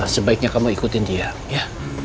sebaiknya kamu ikutin dia ya